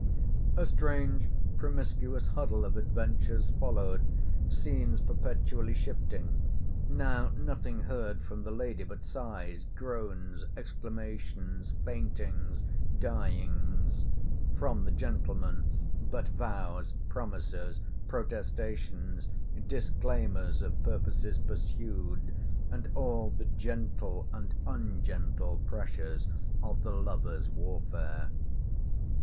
A strange promiscuous huddle of adventures followed, scenes perpetually shifting; now nothing heard from the lady, but sighs, groans, exclamations, faintings, dyings—From the gentleman, but vows, promises, protestations, disclaimers of purposes pursued, and all the gentle and ungentle pressures of the lover's warfare.